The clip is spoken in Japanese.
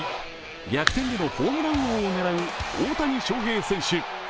逆転でのホームラン王を狙う大谷翔平選手。